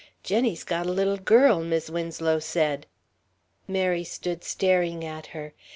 "Jenny's got a little girl," Mis' Winslow said. Mary stood staring at her.